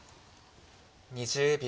２０秒。